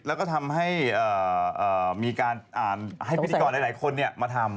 แล้วก็ทำให้มีการอ่านให้พิธีกรหลายคนมาทำ